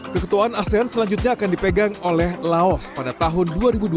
keketuaan asean selanjutnya akan dipegang oleh laos pada tahun dua ribu dua puluh